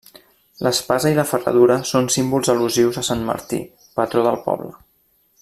L'espasa i la ferradura són símbols al·lusius a sant Martí, patró del poble.